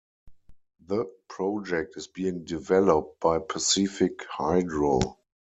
The project is being developed by Pacific Hydro.